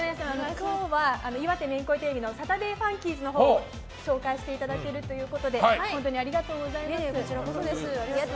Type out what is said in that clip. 本日は岩手めんこいテレビの「サタデーファンキーズ」を紹介していただけるということで本当にありがとうございます。